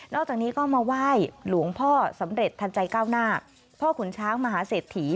อกจากนี้ก็มาไหว้หลวงพ่อสำเร็จทันใจก้าวหน้าพ่อขุนช้างมหาเศรษฐี